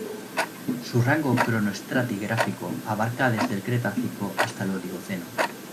Su rango cronoestratigráfico abarca desde el Cretácico hasta el Oligoceno.